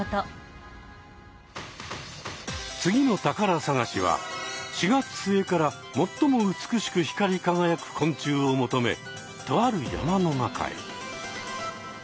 次の宝探しは４月末から最も美しく光りかがやく昆虫を求めとある山の中へ。